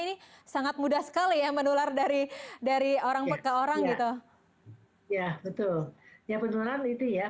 ini sangat mudah sekali ya menular dari dari orang per ke orang gitu ya betul ya penularan itu ya